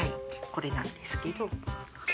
これなんですけど。